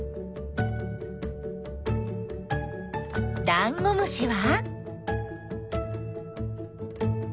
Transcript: ダンゴムシは？